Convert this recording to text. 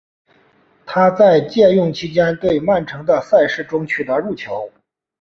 他在借用期间对曼城的赛事中取得入球。